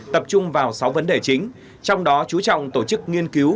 tập trung vào sáu vấn đề chính trong đó chú trọng tổ chức nghiên cứu